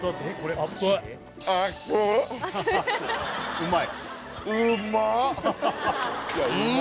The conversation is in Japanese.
・うまい？